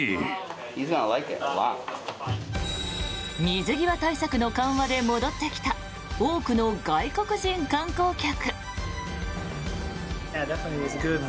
水際対策の緩和で戻ってきた多くの外国人観光客。